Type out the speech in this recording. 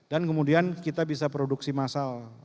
dan kemudian kita bisa produksi massal